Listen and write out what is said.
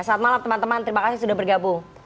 selamat malam teman teman terima kasih sudah bergabung